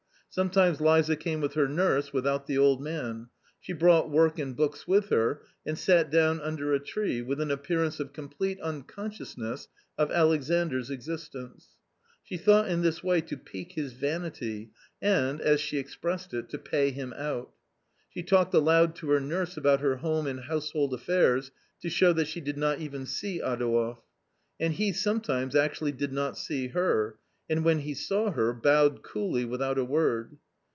Sometimes Liza came with her nurse, without the old man. She brought work and books with her and sat down under a tree, with an appearance of complete unconsciousness of Alexandra existence. She thought in this way to pique his vanity and, as she ex pressed it, " to pay him out." She talked aloud to her nurse about her home and household affairs, to show that she did not even see Adouev. And he sometimes actually did not see her, and when he saw her, bowed coolly without a word.